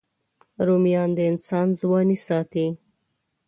رومیان د انسان ځواني ساتي